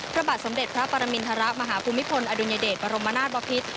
พระบาทสมเด็จพระปรมินทรมาฮภูมิพลอดุญเดชบรมนาศบพิษ